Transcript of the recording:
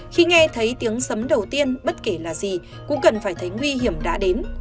khi nghe thấy tiếng sấm đầu tiên bất kỳ là gì cũng cần phải thấy nguy hiểm đã đến